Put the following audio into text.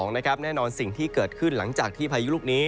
แน่นอนสิ่งที่เกิดขึ้นหลังจากที่พายุลูกนี้